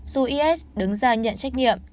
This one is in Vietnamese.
dù is đứng ra nhận trách nhiệm